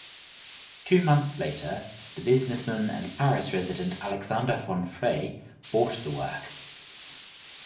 Two months later the businessman and Paris resident Alexander von Frey bought the work.